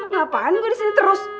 ngapain gue disini terus